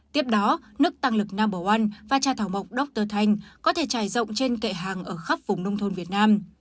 tiếp đó nước tăng lực no một và trà thảo mộc dr thanh có thể trải rộng trên kệ hàng ở khắp vùng nông thôn việt nam